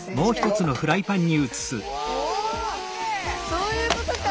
そういうことか！